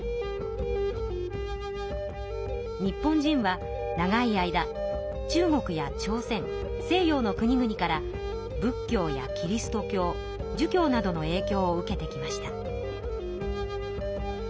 日本人は長い間中国や朝鮮西洋の国々から仏教やキリスト教儒教などのえいきょうを受けてきました。